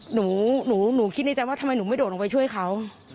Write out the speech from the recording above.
หนูหนูคิดในใจว่าทำไมหนูไม่โดดลงไปช่วยเขา